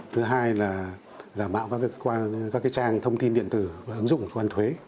thứ hai là giả mạo các trang thông tin điện tử và ứng dụng của quân thuế